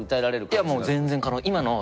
いやもう全然。